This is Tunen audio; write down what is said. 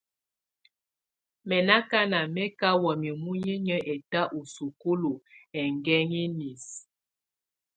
Mɛ̀ nà akana mɛ ka wamɛ̀á munyinyǝ ɛta u sukulu ɛkɛŋɛ inisǝ.